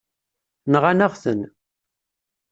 Nɣan-aɣ-ten.